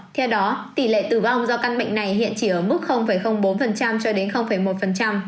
theo đó tỷ lệ tử vong do căn bệnh này hiện chỉ ở mức bốn cho đến một